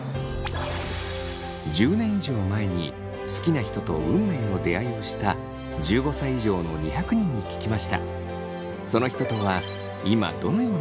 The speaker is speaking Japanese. １０年以上前に好きな人と運命の出会いをした１５歳以上の２００人に聞きました。